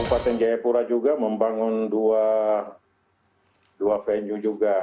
pembangunan jaya pura juga membangun dua venue juga